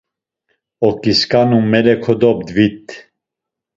Oǩisǩanu mele kodobdvit.